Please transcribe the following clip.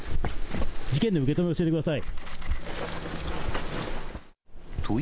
事件の受け止め、教えてください。